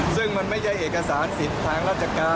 ซึ่งมันไม่ใช่เอกสารสิทธิ์ทางราชการ